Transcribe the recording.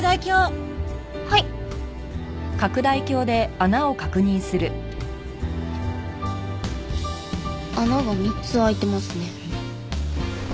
穴が３つ開いてますね。